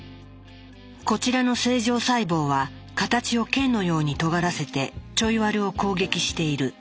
こちらの正常細胞は形を剣のようにとがらせてちょいワルを攻撃している。